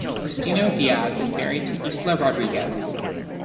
Justino Diaz is married to Ilsa Rodriguez.